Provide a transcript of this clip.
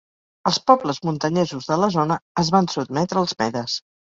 Els pobles muntanyesos de la zona es van sotmetre als medes.